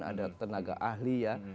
ada tenaga ahli ya